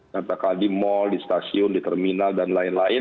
katakan di mal di stasiun di terminal dan lain lain